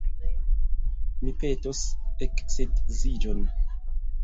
Mi petos eksedziĝon.